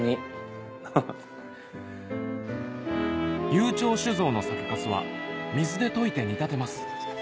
油長酒造の酒粕は水で溶いて煮立てます